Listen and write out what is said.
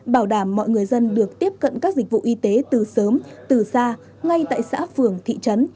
bảo đảm mọi người dân được tiếp cận các dịch vụ y tế từ sớm từ xa ngay tại xã phường thị trấn